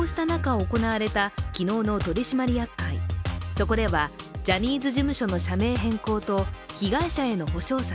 そこでは、ジャニーズ事務所の社名変更と被害者への補償策、